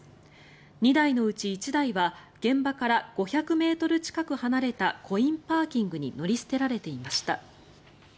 ２台のうち１台は現場から５００ｍ近く離れたコインパーキングに乗り捨てられていました。